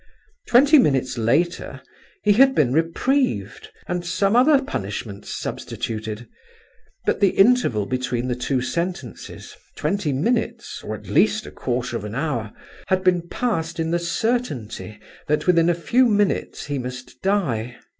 Twenty minutes later he had been reprieved and some other punishment substituted; but the interval between the two sentences, twenty minutes, or at least a quarter of an hour, had been passed in the certainty that within a few minutes he must die.